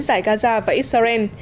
giải gaza và israel